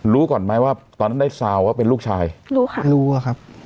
รู้ก่อนไหมว่าตอนนั้นได้ซาวว่าเป็นลูกชายรู้ค่ะรู้อะครับ